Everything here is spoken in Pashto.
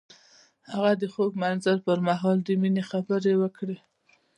هغه د خوږ منظر پر مهال د مینې خبرې وکړې.